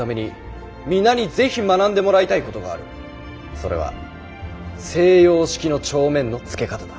それは西洋式の帳面のつけ方だ。